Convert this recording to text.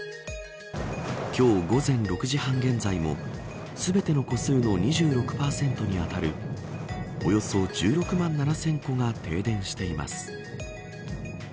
今日、午前６時半現在も全ての戸数の２６％に当たるおよそ１６万７０００戸が停電しています。